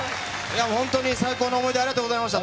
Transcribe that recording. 本当に最高の思い出ありがとうございました。